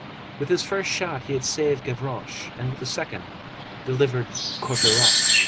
With his first shot he had saved Gavroche, and with the second delivered Courfeyrac.